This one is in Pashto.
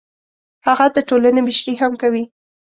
هغه د ټولنې مشري هم کوي.